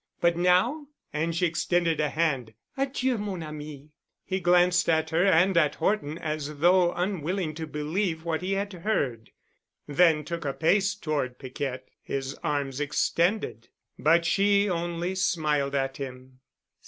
But now——" And she extended a hand, "Adieu, mon ami." He glanced at her and at Horton as though unwilling to believe what he had heard, then took a pace toward Piquette, his arms extended. But she only smiled at him.